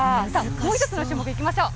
もう１つの種目、いきましょう。